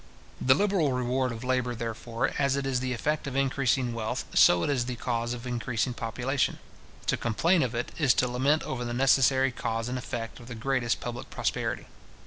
The liberal reward of labour, therefore, as it is the effect of increasing wealth, so it is the cause of increasing population. To complain of it, is to lament over the necessary cause and effect of the greatest public prosperity.